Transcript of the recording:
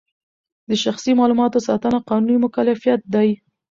د شخصي معلوماتو ساتنه قانوني مکلفیت دی.